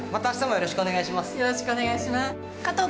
よろしくお願いします。